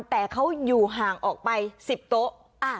แต่เขาอยู่ห่างออกไป๑๐โต๊ะ